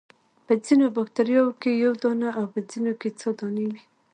په ځینو باکتریاوو کې یو دانه او په ځینو کې څو دانې وي.